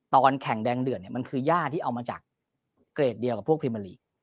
ตอนแข่งแดงเดือดเนี่ยมันคือย่าที่เอามาจากเกรดเดียวกับพวกพรีเมอร์ลีก